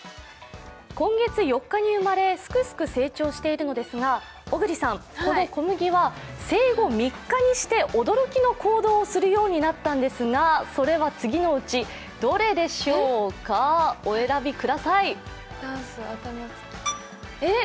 今月４日に生まれ、すくすく成長しているんですが、このこむぎは生後３日にして驚きの行動をするようになったんですが、それは次のうちどれでしょうかお選びください。